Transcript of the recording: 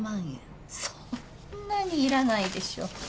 そんなにいらないでしょ。